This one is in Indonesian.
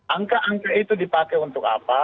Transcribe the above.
angka angka itu dipakai untuk apa